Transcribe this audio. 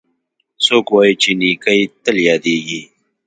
څوک وایي چې نیکۍ تل یادیږي